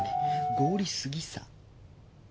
合理すぎさ。